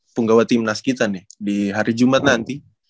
penggawa timnas kita nih di hari jumat nanti